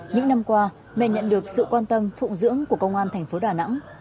những năm qua mẹ nhận được sự quan tâm phụng dưỡng của công an thành phố đà nẵng